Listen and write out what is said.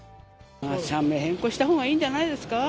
社名変更したほうがいいんじゃないですか。